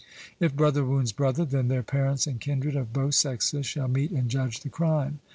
If brother wounds brother, then their parents and kindred, of both sexes, shall meet and judge the crime.